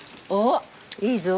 いいぞ。